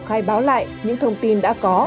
khai báo lại những thông tin đã có